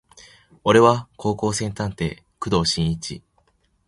俺は高校生探偵工藤新一